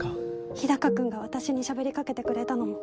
日高君が私にしゃべりかけてくれたのも。